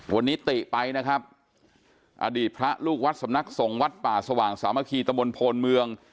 วันนี้ติไปนะครับอดีตพระลูกวัดสำนักสงฆ์วัดป่าสว่างสามัคคีตะมนต์โพนเมือง